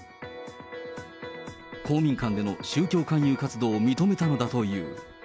公民館での宗教勧誘活動を認めたのだという。